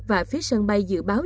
và phía sân bay dự báo